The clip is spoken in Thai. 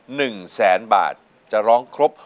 หนึ่งแสนบาทจะร้องครบ